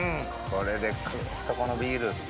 これでクッとこのビール。